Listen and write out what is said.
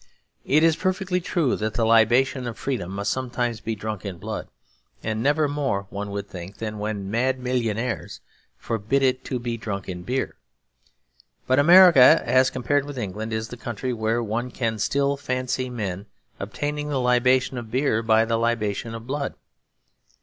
It is perfectly true that the libation of freedom must sometimes be drunk in blood, and never more (one would think) than when mad millionaires forbid it to be drunk in beer. But America, as compared with England, is the country where one can still fancy men obtaining the libation of beer by the libation of blood.